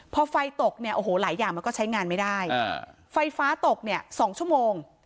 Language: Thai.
พอไฟตกเนี่ยโอ้โหหลายอย่างมันก็ใช้งานไม่ได้ไฟฟ้าตกเนี่ย๒ชั่วโมง